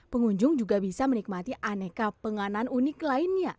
pengunjung juga bisa menikmati aneka penganan unik lainnya